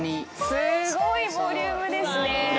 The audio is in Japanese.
すごいすごいボリュームですね